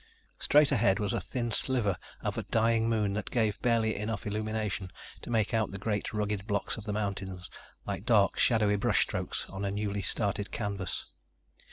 Straight ahead was a thin sliver of a dying Moon that gave barely enough illumination to make out the great, rugged blocks of the mountains, like dark, shadowy brush strokes on a newly started canvas.